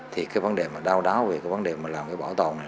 thì cái vấn đề mà đau đáu về cái vấn đề mà làm cái bảo tồn này